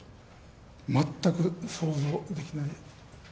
全く想像できない。